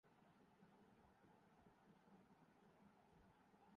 جن کے استعمال کے لئے کسی اوپریٹنگ سسٹم سے آگاہی ضروری نہ تھی